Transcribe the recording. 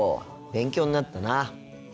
勉強になったな。